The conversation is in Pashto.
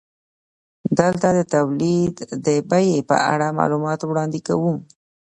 دلته د تولید د بیې په اړه معلومات وړاندې کوو